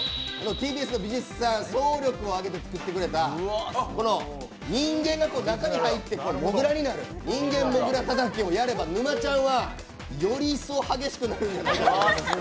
ＴＢＳの技術さん、総力を挙げて作ってくれた、この人間が中に入ってモグラになる「人間モグラたたき」をやれば沼ちゃんは、より一層激しくなるんじゃないかと。